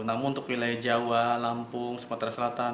namun untuk wilayah jawa lampung sumatera selatan